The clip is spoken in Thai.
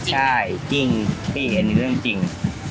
ใช่จริงไม่เห็นเรื่องจริง